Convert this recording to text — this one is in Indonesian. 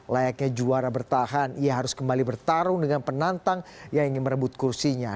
layaknya juara bertahan ia harus kembali bertarung dengan penantang yang ingin merebut kursinya